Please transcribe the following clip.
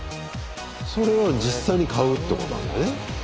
それを実際に買うってことなんだね。